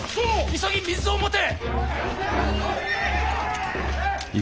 急ぎ水を持て！